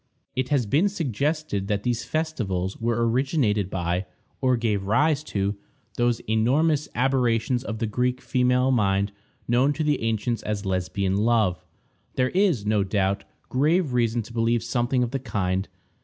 It has been suggested that these festivals were originated by, or gave rise to, those enormous aberrations of the Greek female mind known to the ancients as Lesbian love. There is, no doubt, grave reason to believe something of the kind.